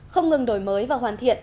không ngừng đổi mới và hoàn thiện